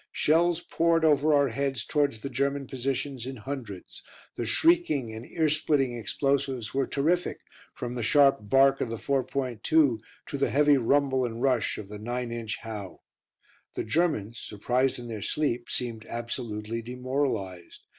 Shells poured over our heads towards the German positions in hundreds. The shrieking and earsplitting explosives were terrific, from the sharp bark of the 4.2 to the heavy rumble and rush of the 9 inch "How." The Germans, surprised in their sleep, seemed absolutely demoralised.